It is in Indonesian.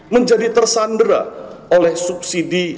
menjadi tersandera oleh subsidi